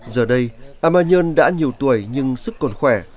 giờ đây a ma nhiên đã nhiều tuổi nhưng sức còn khỏe